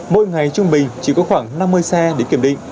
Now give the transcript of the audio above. mỗi ngày trung bình chỉ có khoảng năm mươi xe để kiểm định